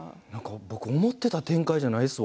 僕、思っていた展開じゃないですわ。